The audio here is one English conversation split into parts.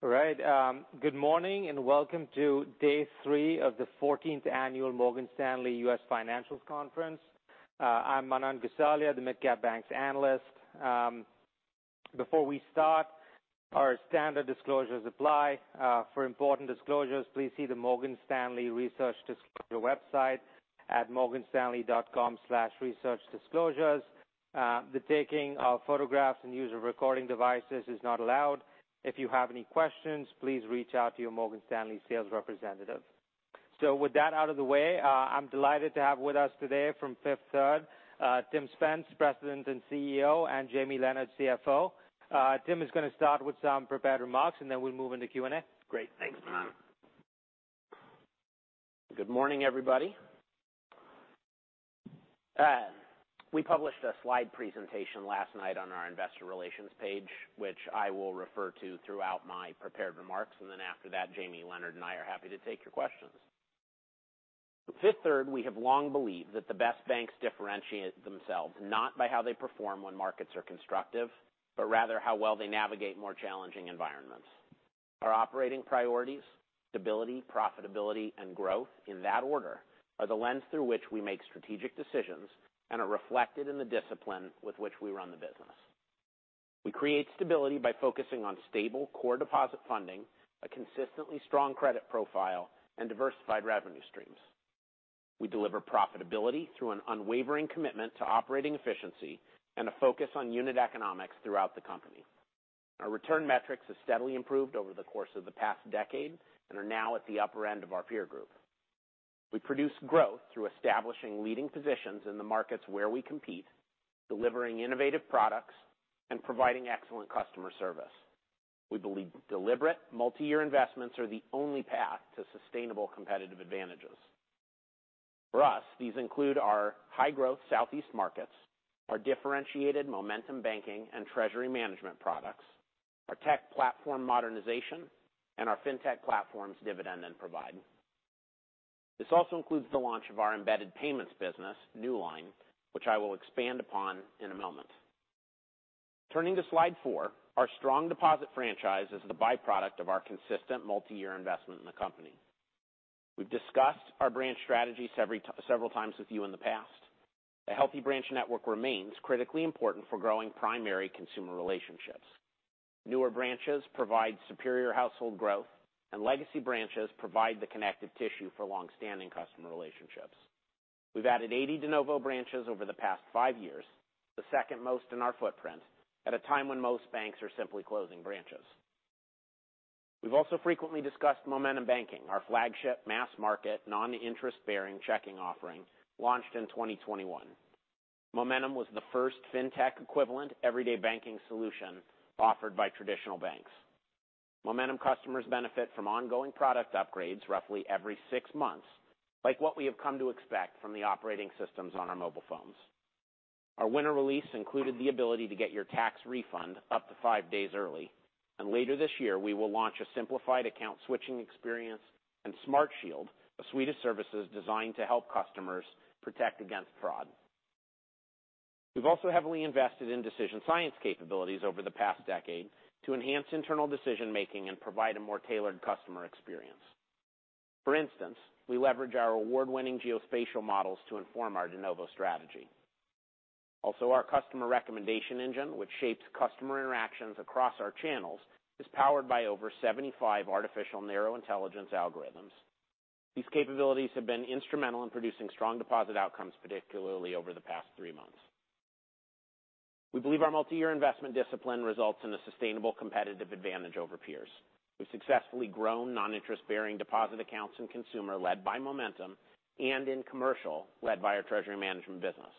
All right. Good morning, and welcome to day three of the 14th annual Morgan Stanley U.S. Financials Conference. I'm Manan Gosalia, the mid-cap banks analyst. Before we start, our standard disclosures apply. For important disclosures, please see the Morgan Stanley Research Disclosure website at morganstanley.com/researchdisclosures. The taking of photographs and use of recording devices is not allowed. If you have any questions, please reach out to your Morgan Stanley sales representative. With that out of the way, I'm delighted to have with us today from Fifth Third, Tim Spence, President and CEO, and Jamie Leonard, CFO. Tim is going to start with some prepared remarks, and then we'll move into Q&A. Great. Thanks, Manan. Good morning, everybody. We published a slide presentation last night on our investor relations page, which I will refer to throughout my prepared remarks, and then after that, Jamie Leonard and I are happy to take your questions. At Fifth Third, we have long believed that the best banks differentiate themselves not by how they perform when markets are constructive, but rather how well they navigate more challenging environments. Our operating priorities, stability, profitability, and growth, in that order, are the lens through which we make strategic decisions and are reflected in the discipline with which we run the business. We create stability by focusing on stable core deposit funding, a consistently strong credit profile, and diversified revenue streams. We deliver profitability through an unwavering commitment to operating efficiency and a focus on unit economics throughout the company. Our return metrics have steadily improved over the course of the past decade and are now at the upper end of our peer group. We produce growth through establishing leading positions in the markets where we compete, delivering innovative products, and providing excellent customer service. We believe deliberate multi-year investments are the only path to sustainable competitive advantages. For us, these include our high-growth southeast markets, our differentiated Momentum Banking and treasury management products, our tech platform modernization, and our fintech platforms Dividend and Provide. This also includes the launch of our embedded payments business, Newline, which I will expand upon in a moment. Turning to slide four, our strong deposit franchise is the byproduct of our consistent multi-year investment in the company. We've discussed our branch strategies several times with you in the past. A healthy branch network remains critically important for growing primary consumer relationships. Newer branches provide superior household growth, and legacy branches provide the connective tissue for long-standing customer relationships. We've added 80 de novo branches over the past five years, the second most in our footprint, at a time when most banks are simply closing branches. We've also frequently discussed Momentum Banking, our flagship mass-market, non-interest-bearing checking offering, launched in 2021. Momentum was the first fintech-equivalent everyday banking solution offered by traditional banks. Momentum customers benefit from ongoing product upgrades roughly every six months, like what we have come to expect from the operating systems on our mobile phones. Our winter release included the ability to get your tax refund up to 5 days early, and later this year, we will launch a simplified account switching experience and Smart Shield, a suite of services designed to help customers protect against fraud. We've also heavily invested in decision science capabilities over the past decade to enhance internal decision-making and provide a more tailored customer experience. For instance, we leverage our award-winning geospatial models to inform our de novo strategy. Our customer recommendation engine, which shapes customer interactions across our channels, is powered by over 75 artificial narrow intelligence algorithms. These capabilities have been instrumental in producing strong deposit outcomes, particularly over the past three months. We believe our multi-year investment discipline results in a sustainable competitive advantage over peers. We've successfully grown non-interest-bearing deposit accounts in consumer, led by Momentum, and in commercial, led by our treasury management business.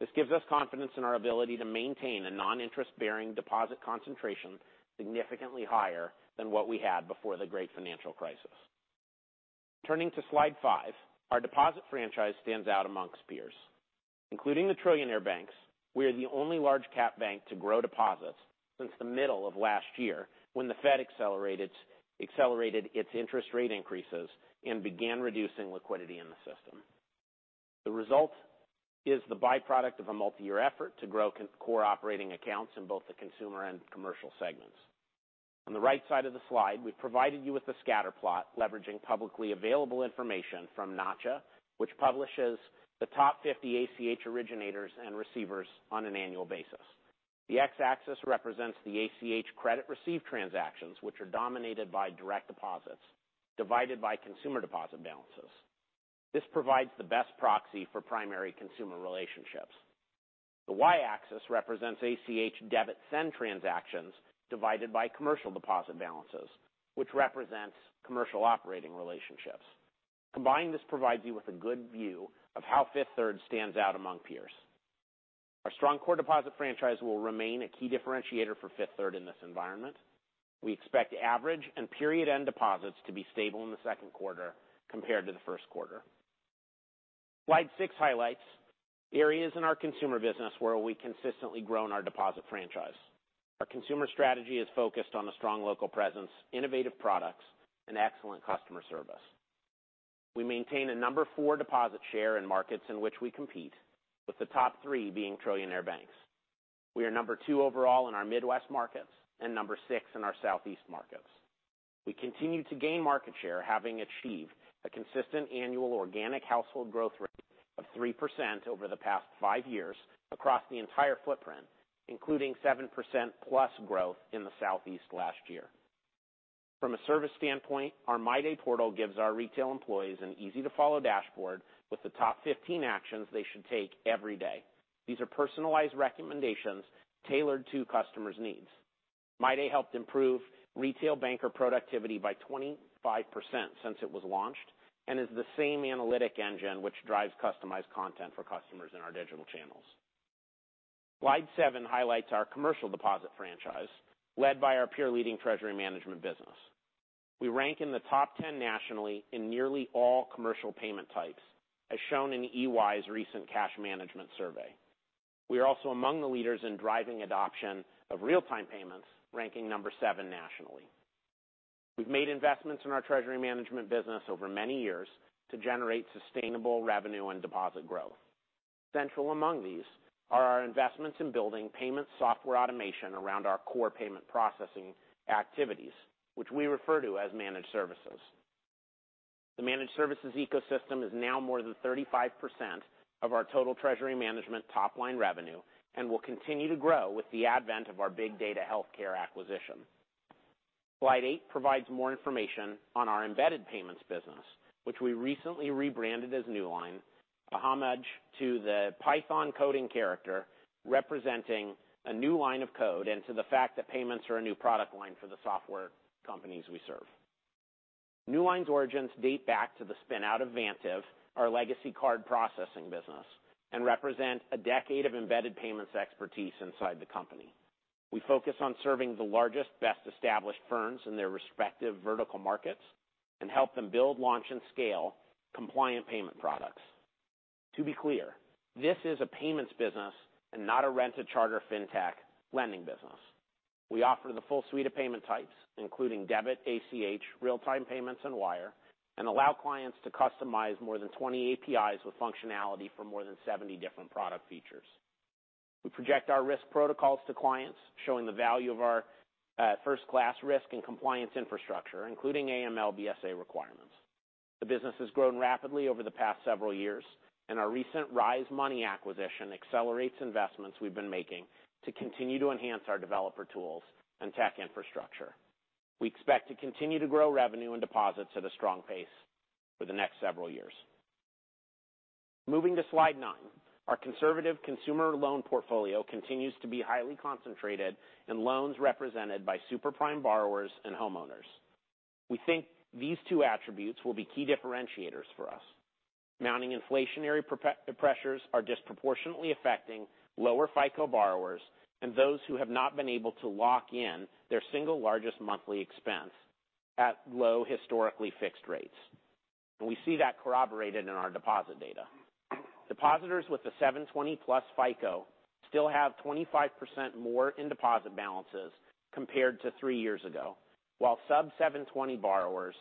This gives us confidence in our ability to maintain a non-interest-bearing deposit concentration significantly higher than what we had before the great financial crisis. Turning to slide five, our deposit franchise stands out amongst peers. Including the trillionaire banks, we are the only large cap bank to grow deposits since the middle of last year, when the Fed accelerated its interest rate increases and began reducing liquidity in the system. The result is the byproduct of a multi-year effort to grow core operating accounts in both the consumer and commercial segments. On the right side of the slide, we've provided you with a scatter plot leveraging publicly available information from Nacha, which publishes the top 50 ACH originators and receivers on an annual basis. The x-axis represents the ACH credit received transactions, which are dominated by direct deposits, divided by consumer deposit balances. This provides the best proxy for primary consumer relationships. The y-axis represents ACH debit send transactions divided by commercial deposit balances, which represents commercial operating relationships. Combined, this provides you with a good view of how Fifth Third stands out among peers. Our strong core deposit franchise will remain a key differentiator for Fifth Third in this environment. We expect average and period-end deposits to be stable in the second quarter compared to the first quarter. Slide six highlights areas in our consumer business where we've consistently grown our deposit franchise. Our consumer strategy is focused on a strong local presence, innovative products, and excellent customer service.... We maintain a number four deposit share in markets in which we compete, with the top three being trillionaire banks. We are number two overall in our Midwest markets and number six in our Southeast markets. We continue to gain market share, having achieved a consistent annual organic household growth rate of 3% over the past five years across the entire footprint, including 7%+ growth in the Southeast last year. From a service standpoint, our MyDay portal gives our retail employees an easy-to-follow dashboard with the top 15 actions they should take every day. These are personalized recommendations tailored to customers' needs. MyDay helped improve retail banker productivity by 25% since it was launched, and is the same analytic engine which drives customized content for customers in our digital channels. Slide seven highlights our commercial deposit franchise, led by our peer-leading treasury management business. We rank in the top 10 nationally in nearly all commercial payment types, as shown in EY's recent cash management survey. We are also among the leaders in driving adoption of real-time payments, ranking number seven nationally. We've made investments in our treasury management business over many years to generate sustainable revenue and deposit growth. Central among these are our investments in building payment software automation around our core payment processing activities, which we refer to as managed services. The managed services ecosystem is now more than 35% of our total treasury management top-line revenue, and will continue to grow with the advent of our Big Data Healthcare acquisition. Slide eight provides more information on our embedded payments business, which we recently rebranded as Newline, a homage to the Python coding character, representing a new line of code, and to the fact that payments are a new product line for the software companies we serve. Newline's origins date back to the spin-out of Vantiv, our legacy card processing business, and represent a decade of embedded payments expertise inside the company. We focus on serving the largest, best-established firms in their respective vertical markets and help them build, launch, and scale compliant payment products. To be clear, this is a payments business and not a rent-to-charter fintech lending business. We offer the full suite of payment types, including debit, ACH, real-time payments, and wire, and allow clients to customize more than 20 APIs with functionality for more than 70 different product features. We project our risk protocols to clients, showing the value of our first-class risk and compliance infrastructure, including AML BSA requirements. The business has grown rapidly over the past several years, and our recent Rize Money acquisition accelerates investments we've been making to continue to enhance our developer tools and tech infrastructure. We expect to continue to grow revenue and deposits at a strong pace for the next several years. Moving to slide nine. Our conservative consumer loan portfolio continues to be highly concentrated in loans represented by super prime borrowers and homeowners. We think these two attributes will be key differentiators for us. Mounting inflationary pressures are disproportionately affecting lower FICO borrowers and those who have not been able to lock in their single largest monthly expense at low historically fixed rates. We see that corroborated in our deposit data. Depositors with a 720 plus FICO still have 25% more in deposit balances compared to three years ago, while sub 720 borrowers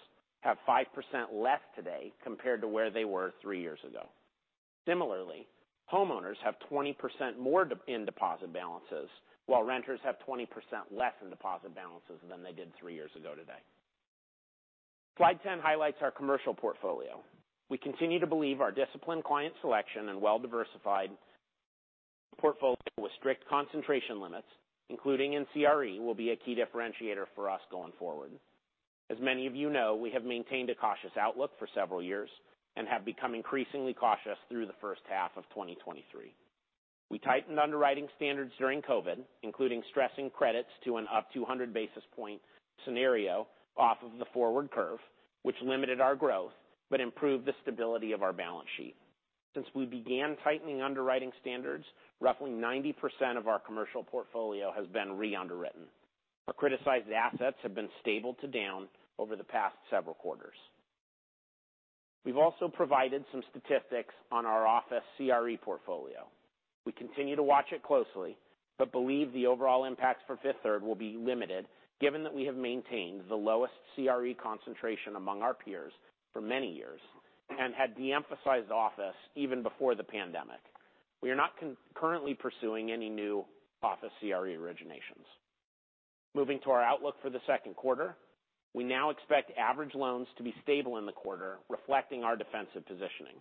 have 5% less today compared to where they were three years ago. Similarly, homeowners have 20% more in deposit balances, while renters have 20% less in deposit balances than they did three years ago today. Slide 10 highlights our commercial portfolio. We continue to believe our disciplined client selection and well-diversified portfolio with strict concentration limits, including in CRE, will be a key differentiator for us going forward. As many of you know, we have maintained a cautious outlook for several years and have become increasingly cautious through the first half of 2023. We tightened underwriting standards during COVID, including stressing credits to an up 200 basis point scenario off of the forward curve, which limited our growth, but improved the stability of our balance sheet. Since we began tightening underwriting standards, roughly 90% of our commercial portfolio has been re-underwritten. Our criticized assets have been stable to down over the past several quarters. We've also provided some statistics on our office CRE portfolio. We continue to watch it closely, but believe the overall impact for Fifth Third will be limited, given that we have maintained the lowest CRE concentration among our peers for many years and had de-emphasized office even before the pandemic. We are not concurrently pursuing any new office CRE originations. Moving to our outlook for the second quarter, we now expect average loans to be stable in the quarter, reflecting our defensive positioning.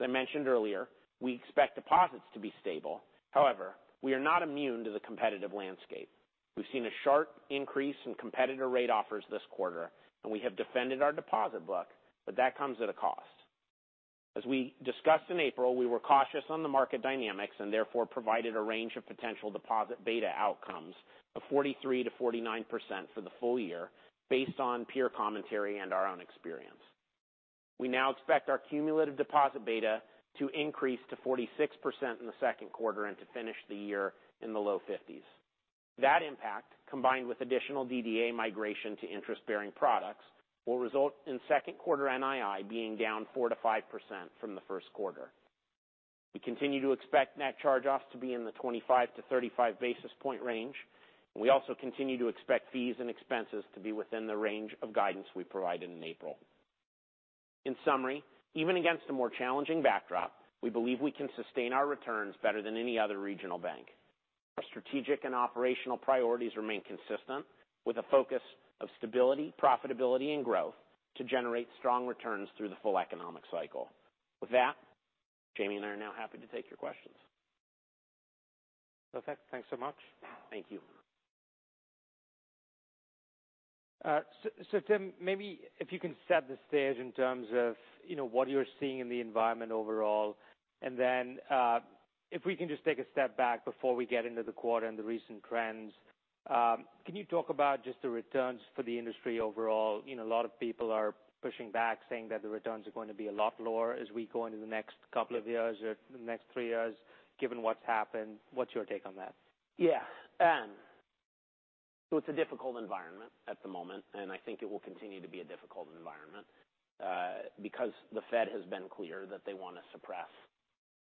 As I mentioned earlier, we expect deposits to be stable. We are not immune to the competitive landscape. We've seen a sharp increase in competitor rate offers this quarter, and we have defended our deposit book, but that comes at a cost. As we discussed in April, we were cautious on the market dynamics and therefore provided a range of potential deposit beta outcomes of 43%-49% for the full year, based on peer commentary and our own experience. We now expect our cumulative deposit beta to increase to 46% in the second quarter and to finish the year in the low 50s. That impact, combined with additional DDA migration to interest-bearing products, will result in second quarter NII being down 4%-5% from the first quarter. We continue to expect net charge-offs to be in the 25-35 basis point range. We also continue to expect fees and expenses to be within the range of guidance we provided in April. In summary, even against a more challenging backdrop, we believe we can sustain our returns better than any other regional bank. Our strategic and operational priorities remain consistent, with a focus of stability, profitability, and growth to generate strong returns through the full economic cycle. With that, Jamie and I are now happy to take your questions. Perfect. Thanks so much. Thank you. Tim, maybe if you can set the stage in terms of, you know, what you're seeing in the environment overall, and then, if we can just take a step back before we get into the quarter and the recent trends. Can you talk about just the returns for the industry overall? You know, a lot of people are pushing back, saying that the returns are going to be a lot lower as we go into the next couple of years or the next three years, given what's happened. What's your take on that? Yeah. It's a difficult environment at the moment, and I think it will continue to be a difficult environment, because the Fed has been clear that they want to suppress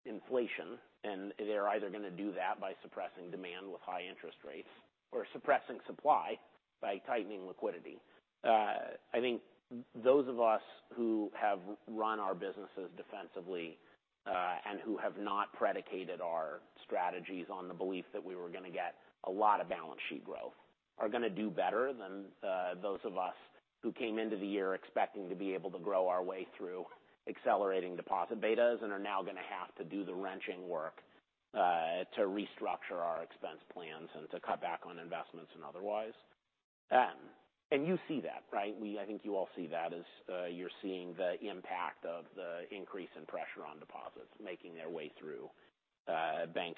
inflation, and they're either going to do that by suppressing demand with high interest rates or suppressing supply by tightening liquidity. I think those of us who have run our businesses defensively, and who have not predicated our strategies on the belief that we were going to get a lot of balance sheet growth, are going to do better than, those of us who came into the year expecting to be able to grow our way through accelerating deposit betas and are now going to have to do the wrenching work, to restructure our expense plans and to cut back on investments and otherwise. You see that, right? I think you all see that as, you're seeing the impact of the increase in pressure on deposits making their way through, the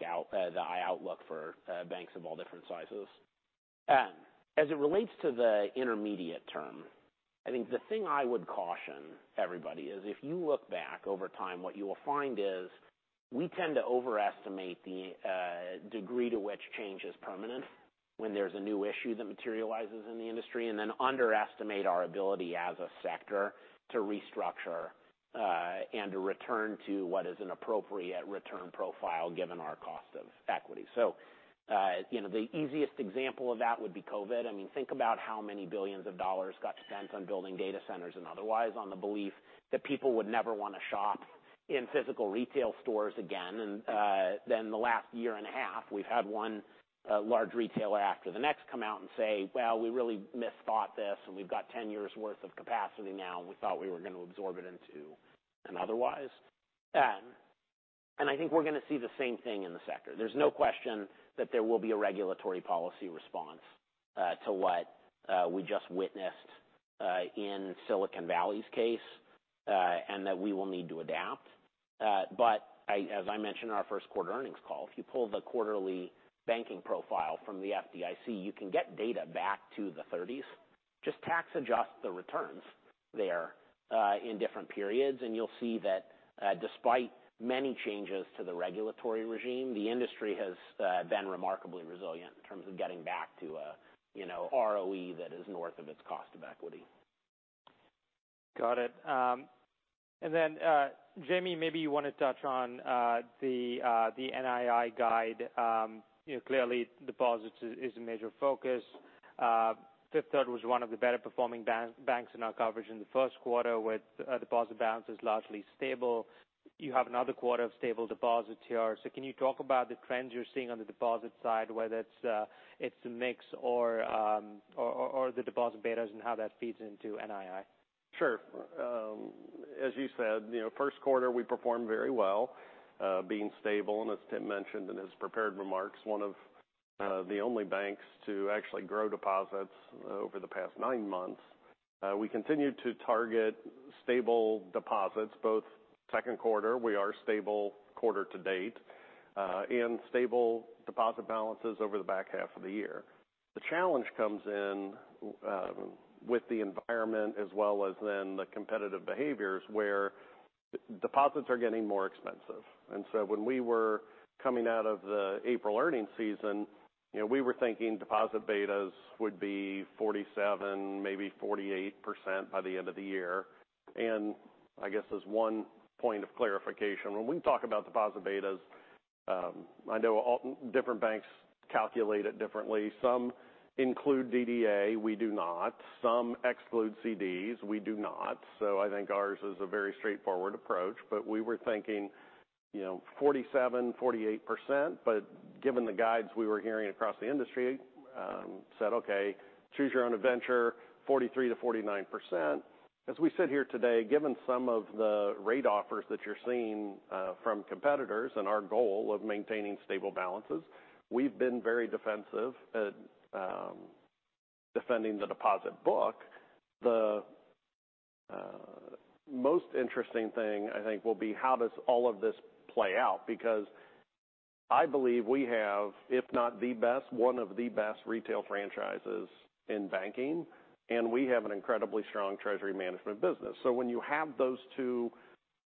outlook for banks of all different sizes. As it relates to the intermediate term, I think the thing I would caution everybody is if you look back over time, what you will find is we tend to overestimate the degree to which change is permanent when there's a new issue that materializes in the industry, and then underestimate our ability as a sector to restructure and to return to what is an appropriate return profile, given our cost of equity. You know, the easiest example of that would be COVID. I mean, think about how many billions of dollars got spent on building data centers and otherwise on the belief that people would never want to shop in physical retail stores again. Then the last year and a half, we've had one large retailer after the next come out and say, "Well, we really misthought this, and we've got 10 years' worth of capacity now, and we thought we were going to absorb it into and otherwise." I think we're going to see the same thing in the sector. There's no question that there will be a regulatory policy response to what we just witnessed in Silicon Valley's case, and that we will need to adapt. As I mentioned in our first quarter earnings call, if you pull the quarterly banking profile from the FDIC, you can get data back to the thirties. Just tax adjust the returns there, in different periods, and you'll see that, despite many changes to the regulatory regime, the industry has been remarkably resilient in terms of getting back to a, you know, ROE that is north of its cost of equity. Got it. Jamie, maybe you want to touch on the NII guide. You know, clearly deposits is a major focus. Fifth Third was one of the better performing banks in our coverage in the first quarter, with deposit balances largely stable. You have another quarter of stable deposits here. Can you talk about the trends you're seeing on the deposit side, whether it's the mix or the deposit betas and how that feeds into NII? Sure. As you said, you know, first quarter, we performed very well, being stable, and as Tim mentioned in his prepared remarks, one of the only banks to actually grow deposits over the past nine months. We continued to target stable deposits both second quarter, we are stable quarter to date, and stable deposit balances over the back half of the year. The challenge comes in with the environment as well as then the competitive behaviors, where deposits are getting more expensive. So when we were coming out of the April earnings season, you know, we were thinking deposit betas would be 47, maybe 48% by the end of the year. I guess as one point of clarification, when we talk about deposit betas, I know different banks calculate it differently. Some include DDA, we do not. Some exclude CDs, we do not. I think ours is a very straightforward approach, but we were thinking, you know, 47%-48%. Given the guides we were hearing across the industry, said, Okay, choose your own adventure, 43%-49%. As we sit here today, given some of the rate offers that you're seeing, from competitors and our goal of maintaining stable balances, we've been very defensive at defending the deposit book. The most interesting thing, I think, will be how does all of this play out? I believe we have, if not the best, one of the best retail franchises in banking, and we have an incredibly strong treasury management business. When you have those two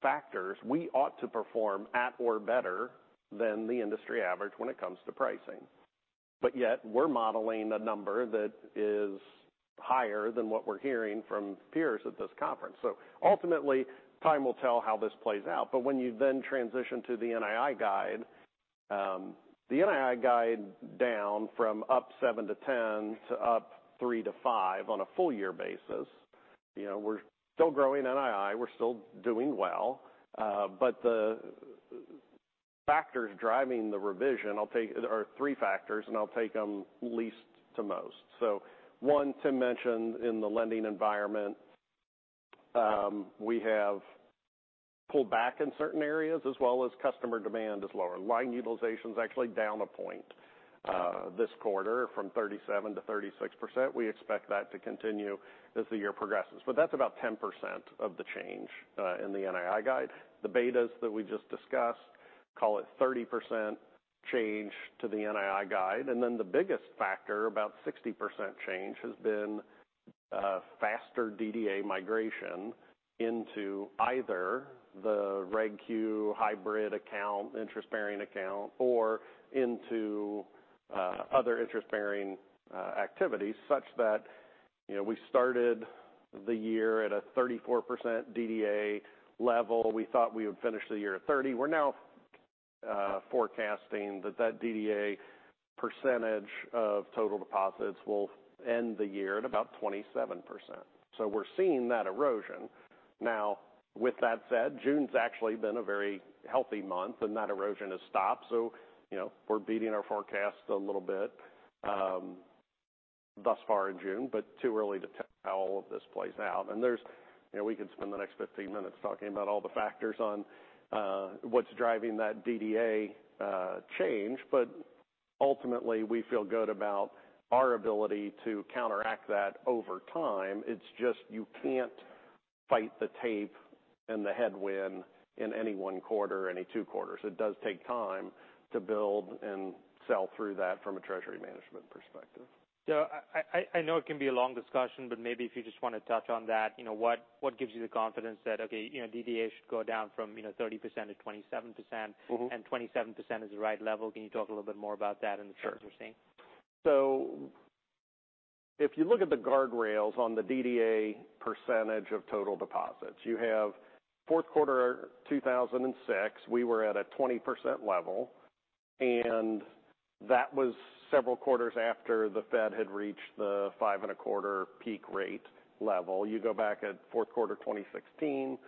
factors, we ought to perform at or better than the industry average when it comes to pricing. Yet we're modeling a number that is higher than what we're hearing from peers at this conference. Ultimately, time will tell how this plays out. When you then transition to the NII guide, the NII guide down from up 7%-10%, to up 3%-5% on a full year basis, you know, we're still growing NII, we're still doing well. But the factors driving the revision are three factors, and I'll take them least to most. One, Tim mentioned in the lending environment, we have pulled back in certain areas as well as customer demand is lower. Line utilization is actually down a point this quarter from 37%-36%. We expect that to continue as the year progresses. That's about 10% of the change in the NII guide. The betas that we just discussed, call it 30% change to the NII guide. The biggest factor, about 60% change, has been faster DDA migration into either the Regulation Q hybrid account, interest-bearing account, or into other interest-bearing activities, such that, you know, we started the year at a 34% DDA level. We thought we would finish the year at 30%. We're now forecasting that that DDA percentage of total deposits will end the year at about 27%. We're seeing that erosion. With that said, June's actually been a very healthy month, and that erosion has stopped. You know, we're beating our forecast a little bit thus far in June, but too early to tell how all of this plays out. You know, we could spend the next 15 minutes talking about all the factors on what's driving that DDA change, but ultimately, we feel good about our ability to counteract that over time. It's just you can't fight the tape and the headwind in any one quarter or any two quarters. It does take time to build and sell through that from a treasury management perspective. I know it can be a long discussion, but maybe if you just want to touch on that. You know, what gives you the confidence that, okay, you know, DDA should go down from, you know, 30% to 27%? Mm-hmm. 27% is the right level? Can you talk a little bit more about that and the trends we're seeing? Sure. If you look at the guardrails on the DDA % of total deposits, you have fourth quarter 2006, we were at a 20% level, and that was several quarters after the Fed had reached the five and a quarter peak rate level. You go back at fourth quarter 2016,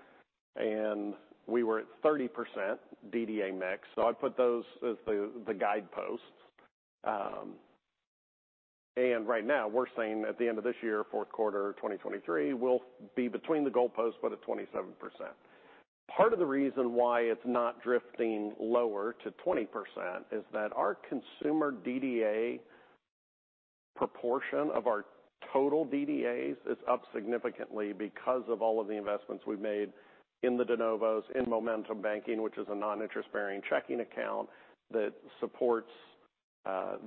we were at 30% DDA mix. I'd put those as the guideposts. Right now, we're saying at the end of this year, fourth quarter 2023, we'll be between the goalpost, but at 27%. Part of the reason why it's not drifting lower to 20% is that our consumer DDA proportion of our total DDAs is up significantly because of all of the investments we've made in the de novos, in Momentum Banking, which is a non-interest-bearing checking account that supports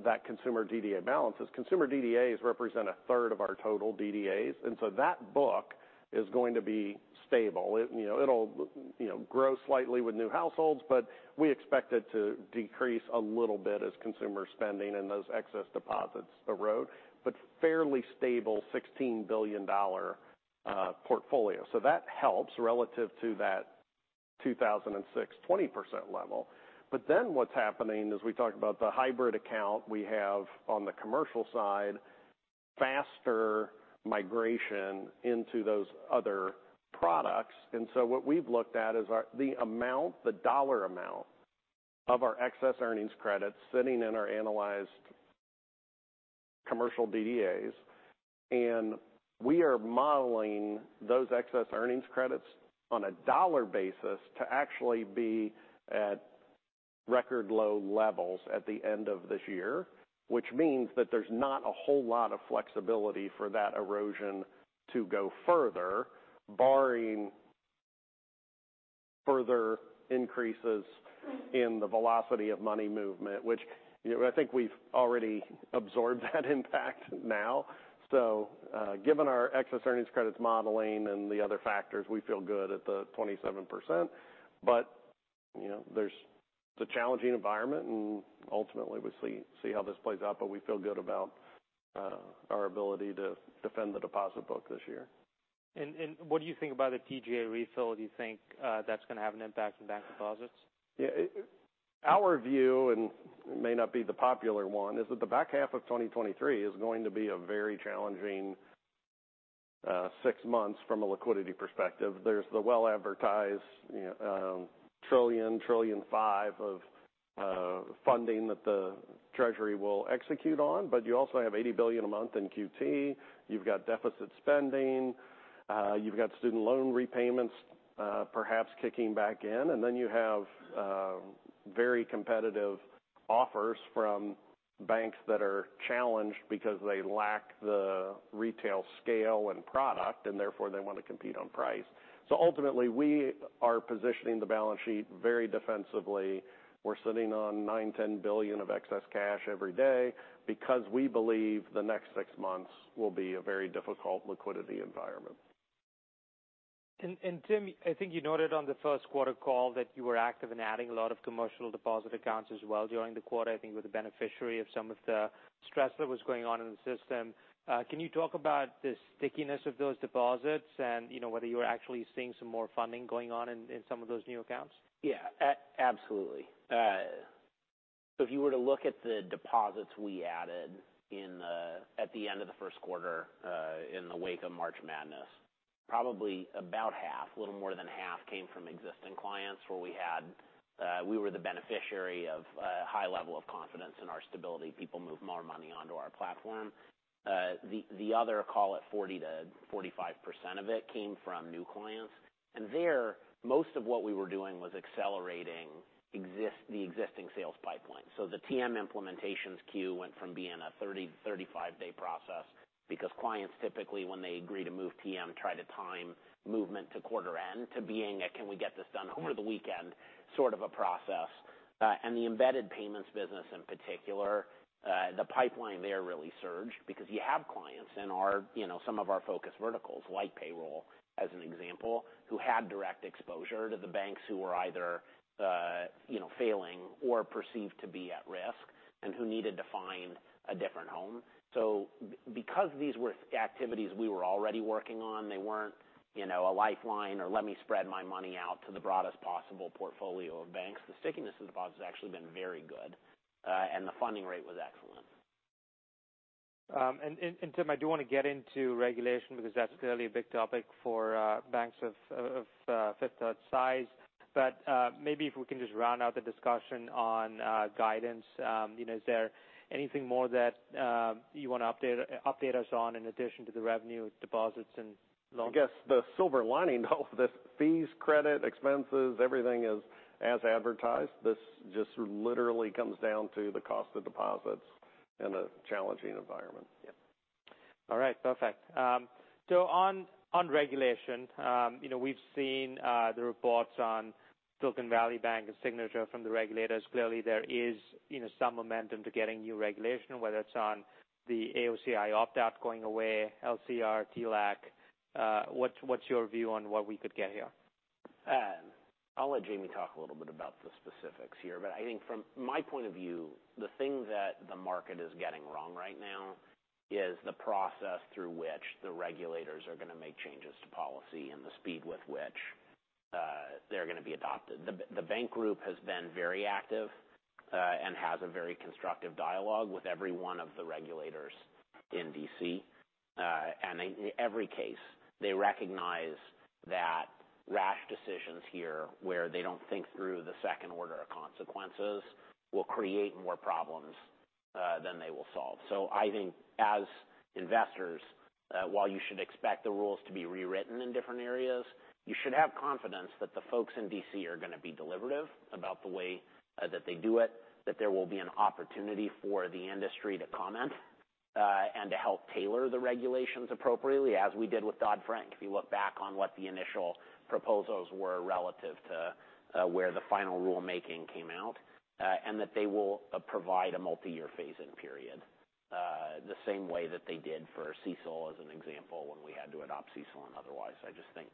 that consumer DDA balances. Consumer DDAs represent a third of our total DDAs, and so that book is going to be stable. It'll, you know, grow slightly with new households, but we expect it to decrease a little bit as consumer spending and those excess deposits erode, but fairly stable $16 billion portfolio. That helps relative to that 2006, 20% level. What's happening, as we talk about the hybrid account we have on the commercial side, faster migration into those other products. What we've looked at is the amount, the dollar amount of our excess earnings credits sitting in our analyzed commercial DDAs, and we are modeling those excess earnings credits on a dollar basis to actually be at record low levels at the end of this year. Which means that there's not a whole lot of flexibility for that erosion to go further, barring further increases in the velocity of money movement, which, you know, I think we've already absorbed that impact now. Given our excess earnings credits modeling and the other factors, we feel good at the 27%. You know, there's the challenging environment, and ultimately, we'll see how this plays out, but we feel good about our ability to defend the deposit book this year. What do you think about the TGA refill? Do you think that's going to have an impact on bank deposits? Yeah, it, our view, and it may not be the popular one, is that the back half of 2023 is going to be a very challenging six months from a liquidity perspective. There's the well-advertised $1.5 trillion of funding that the Treasury will execute on, but you also have $80 billion a month in QT, you've got deficit spending, you've got student loan repayments, perhaps kicking back in, and then you have very competitive offers from banks that are challenged because they lack the retail scale and product, and therefore, they want to compete on price. Ultimately, we are positioning the balance sheet very defensively. We're sitting on $9 billion-$10 billion of excess cash every day because we believe the next six months will be a very difficult liquidity environment. Tim, I think you noted on the first quarter call that you were active in adding a lot of commercial deposit accounts as well during the quarter, I think you were the beneficiary of some of the stress that was going on in the system. Can you talk about the stickiness of those deposits and, you know, whether you're actually seeing some more funding going on in some of those new accounts? Yeah. Absolutely. If you were to look at the deposits we added at the end of the first quarter, in the wake of March Madness, probably about half, a little more than half, came from existing clients, where we had, we were the beneficiary of a high level of confidence in our stability. People moved more money onto our platform. The other, call it 40%-45% of it, came from new clients. There, most of what we were doing was accelerating the existing sales pipeline. The TM implementations queue went from being a 30 to 35 day process, because clients typically, when they agree to move TM, try to time movement to quarter end, to being a, "Can we get this done over the weekend?" sort of a process. The embedded payments business in particular, the pipeline there really surged because you have clients in our, you know, some of our focus verticals, like payroll, as an example, who had direct exposure to the banks who were either, you know, failing or perceived to be at risk and who needed to find a different home. Because these were activities we were already working on, they weren't, you know, a lifeline or let me spread my money out to the broadest possible portfolio of banks, the stickiness of deposits has actually been very good, and the funding rate was excellent. Tim, I do want to get into regulation because that's clearly a big topic for banks of Fifth Third's size. Maybe if we can just round out the discussion on guidance. You know, is there anything more that you want to update us on in addition to the revenue, deposits, and loans? I guess the silver lining of this, fees, credit, expenses, everything is as advertised. This just literally comes down to the cost of deposits in a challenging environment. Yep. All right, perfect. On, on regulation, you know, we've seen the reports on Silicon Valley Bank and Signature from the regulators. Clearly, there is, you know, some momentum to getting new regulation, whether it's on the AOCI opt-out going away, LCR, TLAC. What's, what's your view on what we could get here? I'll let Jamie talk a little bit about the specifics here. I think from my point of view, the thing that the market is getting wrong right now is the process through which the regulators are going to make changes to policy and the speed with which they're going to be adopted. The bank group has been very active and has a very constructive dialogue with every one of the regulators in D.C. And in every case, they recognize that rash decisions here, where they don't think through the second order of consequences, will create more problems than they will solve. I think as investors, while you should expect the rules to be rewritten in different areas, you should have confidence that the folks in D.C. are going to be deliberative about the way that they do it, that there will be an opportunity for the industry to comment and to help tailor the regulations appropriately, as we did with Dodd-Frank. If you look back on what the initial proposals were relative to where the final rulemaking came out. That they will provide a multi-year phase-in period, the same way that they did for CECL, as an example, when we had to adopt CECL and otherwise. I just think,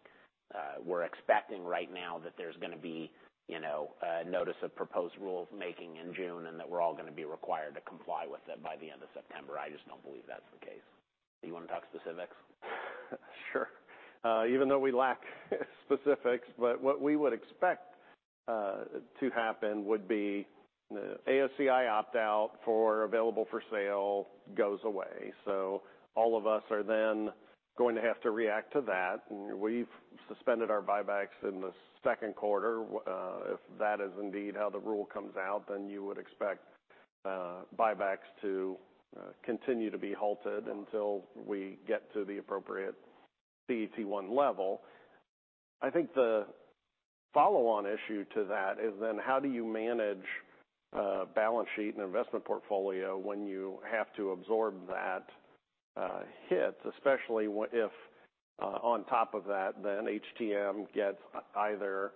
we're expecting right now that there's going to be, you know, a notice of proposed rule making in June, and that we're all going to be required to comply with it by the end of September. I just don't believe that's the case. Do you want to talk specifics? Sure. Even though we lack specifics, what we would expect to happen would be the AOCI opt-out for available for sale goes away. All of us are then going to have to react to that. We've suspended our buybacks in the second quarter. If that is indeed how the rule comes out, you would expect buybacks to continue to be halted until we get to the appropriate CET1 level. I think the follow-on issue to that is how do you manage a balance sheet and investment portfolio when you have to absorb that hit, especially if on top of that, HTM gets either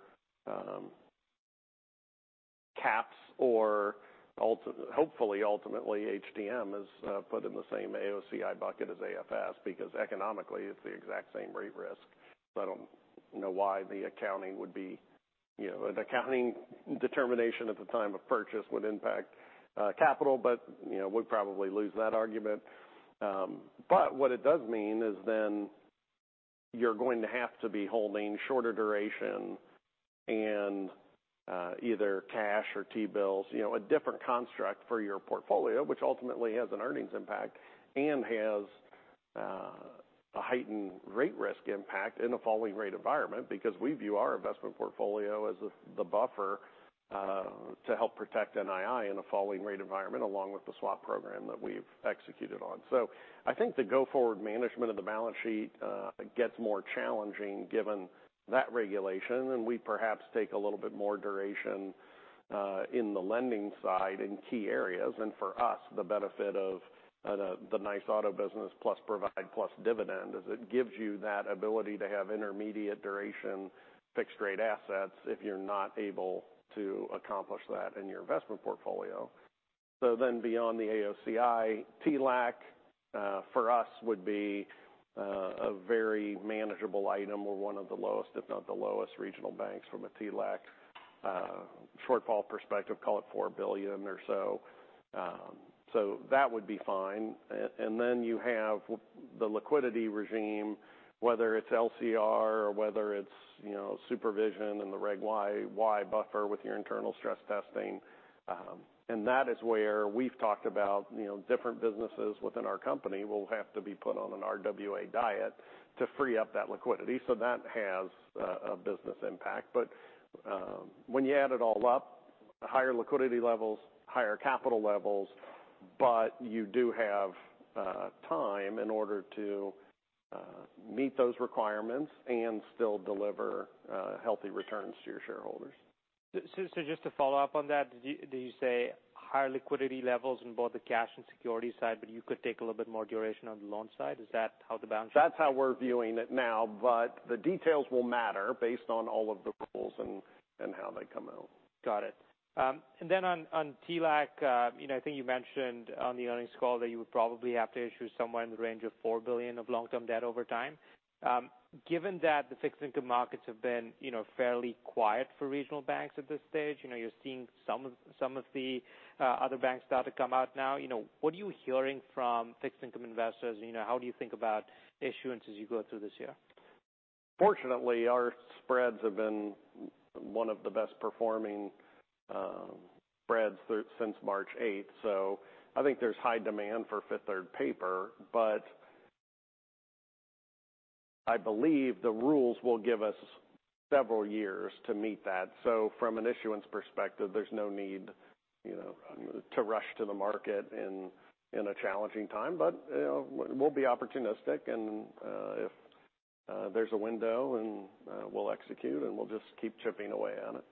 caps or hopefully, ultimately, HTM is put in the same AOCI bucket as AFS, because economically, it's the exact same rate risk. I don't know why the accounting would be, you know, the accounting determination at the time of purchase would impact capital, but, you know, we'd probably lose that argument. What it does mean is then you're going to have to be holding shorter duration and either cash or T-bills, you know, a different construct for your portfolio, which ultimately has an earnings impact and has a heightened rate risk impact in a falling rate environment. We view our investment portfolio as the buffer to help protect NII in a falling rate environment, along with the swap program that we've executed on. I think the go-forward management of the balance sheet gets more challenging given that regulation, and we perhaps take a little bit more duration in the lending side in key areas. For us, the benefit of the nice auto business, plus Provide, plus dividend, is it gives you that ability to have intermediate duration, fixed rate assets, if you're not able to accomplish that in your investment portfolio. Beyond the AOCI, TLAC for us would be a very manageable item. We're one of the lowest, if not the lowest regional banks from a TLAC shortfall perspective, call it $4 billion or so. That would be fine. Then you have the liquidity regime, whether it's LCR or whether it's, you know, supervision and the Regulation Y buffer with your internal stress testing. And that is where we've talked about, you know, different businesses within our company will have to be put on an RWA diet to free up that liquidity. That has a business impact. When you add it all up, higher liquidity levels, higher capital levels, but you do have time in order to meet those requirements and still deliver healthy returns to your shareholders. Just to follow up on that, did you say higher liquidity levels in both the cash and security side, but you could take a little bit more duration on the loan side? Is that how the balance-? That's how we're viewing it now. The details will matter based on all of the rules and how they come out. Got it. Then on TLAC, you know, I think you mentioned on the earnings call that you would probably have to issue somewhere in the range of $4 billion of long-term debt over time. Given that the fixed income markets have been, you know, fairly quiet for regional banks at this stage, you know, you're seeing some of the other banks start to come out now. You know, what are you hearing from fixed income investors? You know, how do you think about issuance as you go through this year? Fortunately, our spreads have been one of the best performing spreads since March eighth. I think there's high demand for Fifth Third paper, but I believe the rules will give us several years to meet that. From an issuance perspective, there's no need, you know, to rush to the market in a challenging time. You know, we'll be opportunistic and, if, there's a window and, we'll execute, and we'll just keep chipping away at it.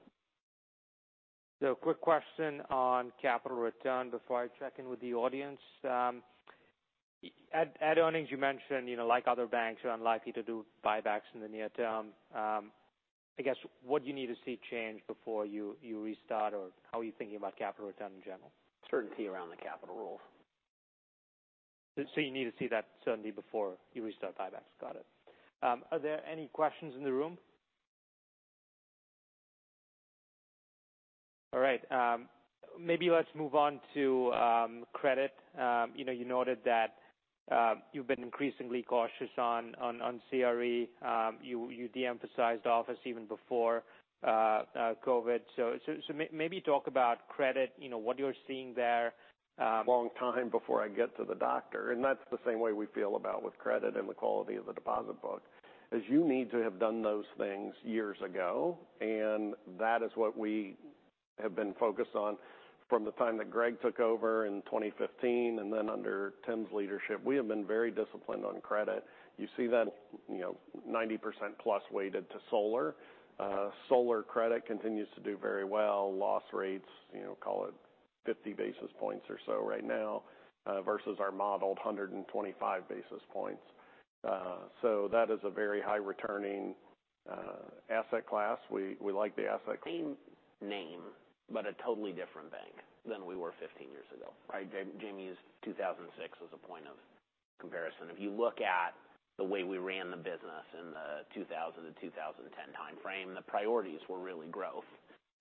Quick question on capital return before I check in with the audience. At earnings you mentioned, you know, like other banks, you're unlikely to do buybacks in the near term. I guess, what do you need to see change before you restart, or how are you thinking about capital return in general? Certainty around the capital rule. You need to see that certainty before you restart buybacks? Got it. Are there any questions in the room? All right, maybe let's move on to credit. You know, you noted that you've been increasingly cautious on CRE. You de-emphasized office even before COVID. Maybe talk about credit, you know, what you're seeing there. Long time before I get to the doctor. That's the same way we feel about with credit and the quality of the deposit book, is you need to have done those things years ago, and that is what we have been focused on from the time that Greg took over in 2015, and then under Tim's leadership. We have been very disciplined on credit. You see that, you know, 90% plus weighted to solar. Solar credit continues to do very well. Loss rates, you know, call it 50 basis points or so right now, versus our modeled 125 basis points. That is a very high returning asset class. We like the asset. Same name, a totally different bank than we were 15 years ago, right? Jamie used 2006 as a point of comparison. If you look at the way we ran the business in the 2000 to 2010 timeframe, the priorities were really growth,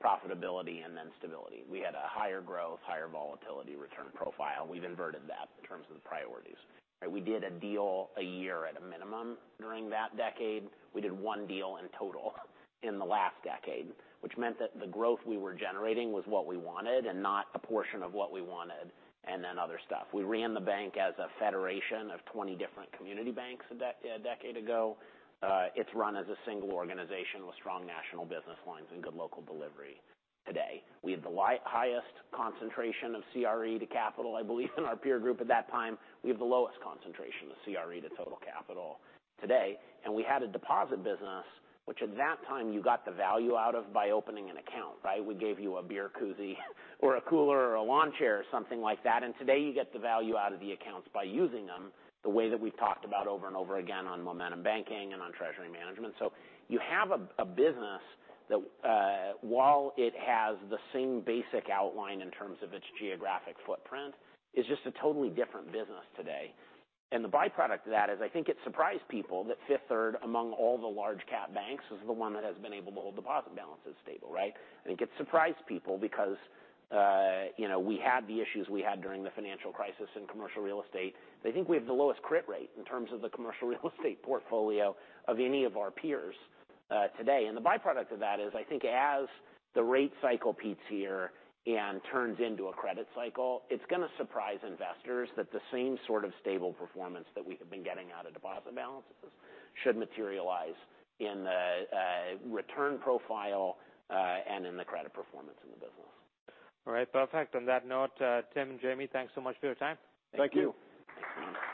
profitability, and then stability. We had a higher growth, higher volatility return profile. We've inverted that in terms of the priorities. We did a deal a year at a minimum during that decade. We did one deal in total in the last decade, which meant that the growth we were generating was what we wanted and not a portion of what we wanted, and then other stuff. We ran the bank as a federation of 20 different community banks a decade ago. It's run as a single organization with strong national business lines and good local delivery today. We had the highest concentration of CRE to capital, I believe, in our peer group at that time. We have the lowest concentration of CRE to total capital today, and we had a deposit business, which at that time, you got the value out of by opening an account, right? We gave you a beer koozie or a cooler or a lawn chair or something like that. Today, you get the value out of the accounts by using them, the way that we've talked about over and over again on Momentum Banking and on treasury management. You have a business that, while it has the same basic outline in terms of its geographic footprint, is just a totally different business today. The byproduct of that is, I think it surprised people that Fifth Third, among all the large cap banks, is the one that has been able to hold deposit balances stable, right? I think it surprised people because, you know, we had the issues we had during the financial crisis in commercial real estate. I think we have the lowest crit rate in terms of the commercial real estate portfolio of any of our peers today. The byproduct of that is, I think as the rate cycle peaks here and turns into a credit cycle, it's gonna surprise investors that the same sort of stable performance that we have been getting out of deposit balances should materialize in the return profile and in the credit performance in the business. All right, perfect. On that note, Tim and Jamie, thanks so much for your time. Thank you. Thank you.